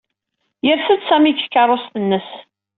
Yers-d Sami seg tkeṛṛust-nnes.